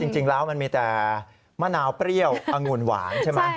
จริงแล้วมันมีแต่มะนาวเปรี้ยวอังุ่นหวานใช่ไหม